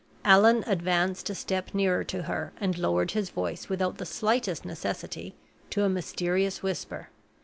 Allan advanced a step nearer to her, and lowered his voice, without the slightest necessity, to a mysterious whisper.